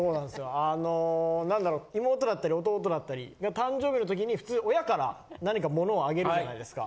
あの何だろ妹だったり弟だったり誕生日の時に普通親から何か物をあげるじゃないですか。